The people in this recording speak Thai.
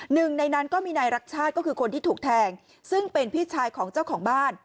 หนึ่งในนั้นก็มีนายรักชาติก็คือคนที่ถูกแทงซึ่งเป็นพี่ชายของเจ้าของบ้าน